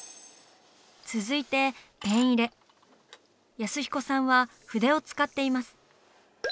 安彦さんは筆を使っています。